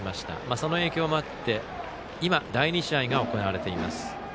その影響もあって今、第２試合が行われています。